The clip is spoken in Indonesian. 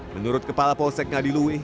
menurut kepala polsek nadi lui